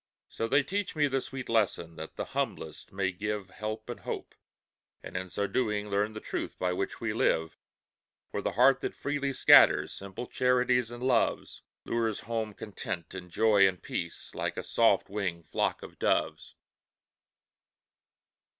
So, they teach me the sweet lesson, That the humblest may give Help and hope, and in so doing, Learn the truth by which we live; For the heart that freely scatters Simple charities and loves, Lures home content, and joy, and peace, Like a soft winged flock of doves.